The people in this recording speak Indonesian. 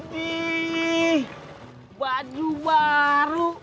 gidih baju baru